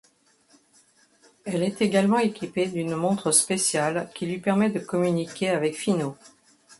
Elle est également équipée d'une montre spéciale qui lui permet de communiquer avec Finot.